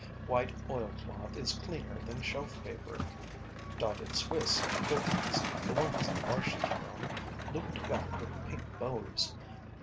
White oilcloth is cleaner than shelf paper. Dotted Swiss curtains, the ones in Marcia's room looped back with pink bows.